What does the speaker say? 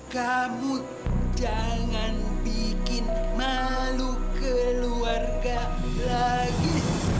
kamu jangan bikin malu keluarga lagi